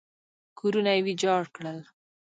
کورونه یې ویجاړ کړل.